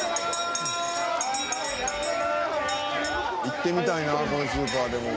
行ってみたいなこのスーパーでも。